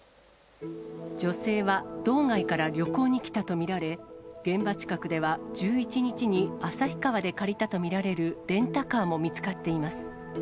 女性は道外から旅行に来たと見られ、現場近くでは、１１日に旭川で借りたと見られるレンタカーも見つかっています。